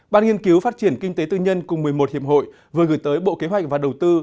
ban nghiên cứu phát triển kinh tế tư nhân cùng một mươi một hiệp hội vừa gửi tới bộ kế hoạch và đầu tư